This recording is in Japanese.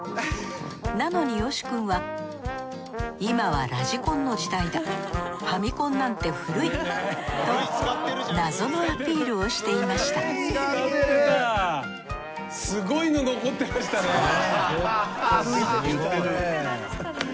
なのによし君は「今はラジコンのじだいだ！！ファミコンなんて古い！」と謎のアピールをしていましたちょっと出てきたね。